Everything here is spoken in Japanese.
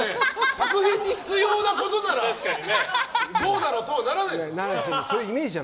作品に必要なことならゴーだろとはならないです。